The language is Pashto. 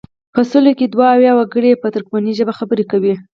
په سلو کې دوه اویا وګړي یې په ترکمني ژبه خبرې کوي.